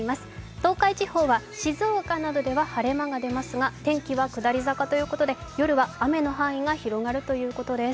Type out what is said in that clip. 東海地方は静岡などでは晴れ間が出ますが天気は下り坂ということで夜は雨の範囲が広がるということです。